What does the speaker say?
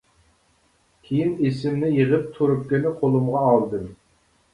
كىيىن ئېسىمنى يىغىپ تۇرۇپكىنى قولۇمغا ئالدىم.